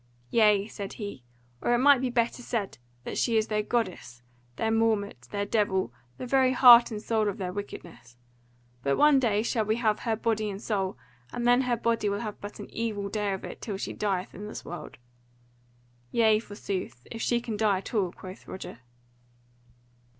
"Yea," said he, "or it might better be said that she is their goddess, their mawmet, their devil, the very heart and soul of their wickedness. But one day shall we have her body and soul, and then shall her body have but an evil day of it till she dieth in this world." "Yea, forsooth, if she can die at all," quoth Roger.